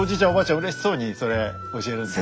うれしそうにそれ教えるんです。